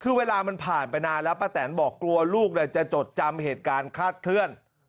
คือเวลามันผ่านไปนานแล้วป้าแตนบอกกลัวลูกจะจดจำเหตุการณ์คาดเคลื่อน